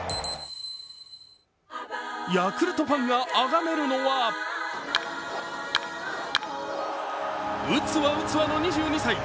ヤクルトファンがあがめるのは打つわ、打つわの２２歳。